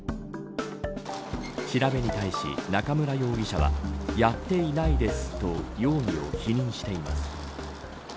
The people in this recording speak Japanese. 調べに対し、中村容疑者はやっていないですと容疑を否認しています。